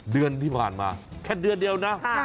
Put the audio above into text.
เดือนที่ผ่านมาแค่เดือนเดียวนะ